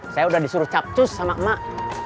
saya sudah disuruh capcus sama emak